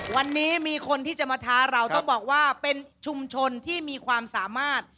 วันนี้มีคนที่จะมาท้าเราต้องบอกว่าเป็นชุมชนที่มีความสามารถ